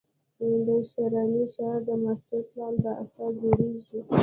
د ښرنې ښار د ماسټر پلان په اساس جوړېږي.